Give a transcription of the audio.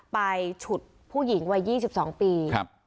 ฉุดผู้หญิงวัย๒๒ปี